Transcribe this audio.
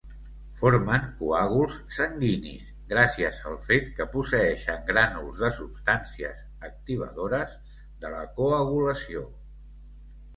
Formen coàguls sanguinis, gràcies al fet que posseïxen grànuls de substàncies activadores de la coagulació.